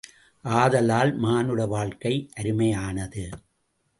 ஆதலால் மானுட வாழ்க்கை அருமையானது.